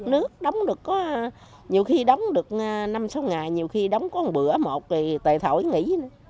nước đóng được có nhiều khi đóng được năm sáu ngày nhiều khi đóng có một bữa một thì tệ thổi nghỉ